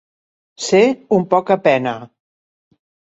Ser un pocapena.